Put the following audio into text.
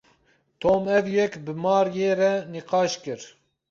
Tom ev yek bi Maryê re nîqaş kir.